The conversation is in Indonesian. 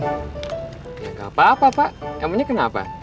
gak apa apa pak emangnya kenapa